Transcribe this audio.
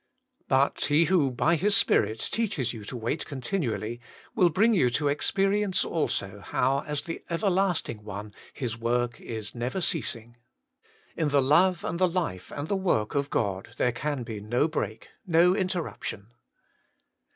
But He who by His Spirit teaches you to wait continually, will bring you to experience also how, as the Ever lasting One, His work is never ceasing. In the love and the life and the work of God there can be no break, no interruption.